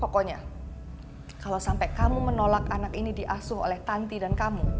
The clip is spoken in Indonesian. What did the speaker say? pokoknya kalau sampai kamu menolak anak ini diasuh oleh tanti dan kamu